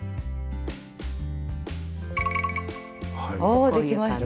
おできました。